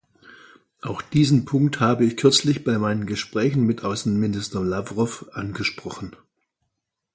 Auch diesen Punkt habe ich kürzlich bei meinen Gesprächen mit Außenminister Lawrow angesprochen.